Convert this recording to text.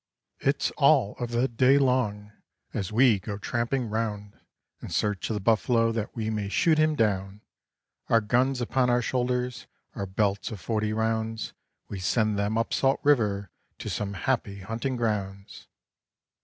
It's all of the day long as we go tramping round In search of the buffalo that we may shoot him down; Our guns upon our shoulders, our belts of forty rounds, We send them up Salt River to some happy hunting grounds.